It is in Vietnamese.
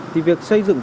thì việc xây dựng